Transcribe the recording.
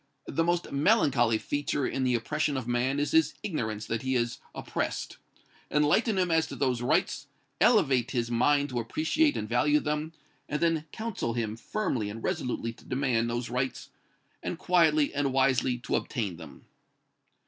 "The most melancholy feature in the oppression of man is his ignorance that he is oppressed. Enlighten him as to those rights, elevate his mind to appreciate and value them, and then counsel him firmly and resolutely to demand those rights, and quietly and wisely to obtain them."